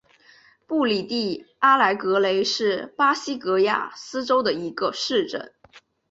布里蒂阿莱格雷是巴西戈亚斯州的一个市镇。